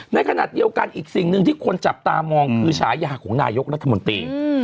ในขณะเดียวกันอีกสิ่งหนึ่งที่คนจับตามองคือฉายาของนายกรัฐมนตรี